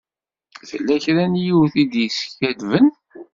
Tella kra n yiwet i d-yeskadben.